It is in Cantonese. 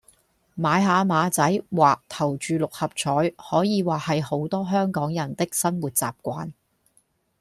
買下馬仔或投注六合彩可以話係好多香港人的生活習慣